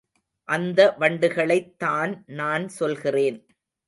அந்த வண்டுகளைத் தான் நான் சொல்கிறேன்.